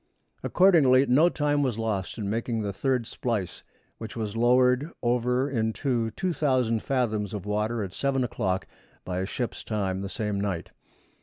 Accordingly no time was lost in making the third splice, which was lowered over into 2,000 fathoms of water at seven o'clock by ship's time the same night.